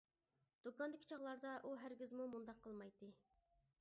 دۇكاندىكى چاغلاردا ئۇ ھەرگىزمۇ مۇنداق قىلمايتتى.